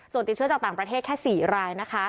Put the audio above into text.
ส่วนติดเชื้อจากต่างประเทศแค่๔รายนะคะ